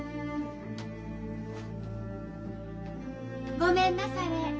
・ごめんなされ。